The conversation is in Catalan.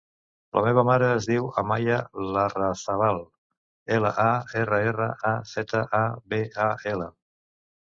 La meva mare es diu Amaia Larrazabal: ela, a, erra, erra, a, zeta, a, be, a, ela.